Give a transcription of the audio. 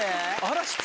嵐。